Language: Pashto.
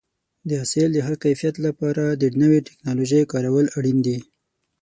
د حاصل د ښه کیفیت لپاره د نوې ټکنالوژۍ کارول اړین دي.